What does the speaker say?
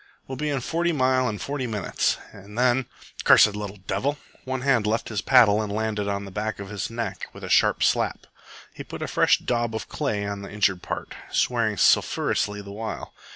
"We'll be in Forty Mile in forty minutes, and then cursed little devil!" One hand left his paddle and landed on the back of his neck with a sharp slap. He put a fresh daub of clay on the injured part, swearing sulphurously the while.